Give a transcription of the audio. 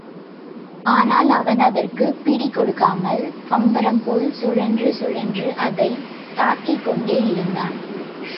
ஆனால், அவன் அதற்குப் பிடிகொடுக்காமல், பம்பரம்போல் சுழன்று சுழன்று அதைத் தாக்கிக்கொண்டேயிருந்தான்.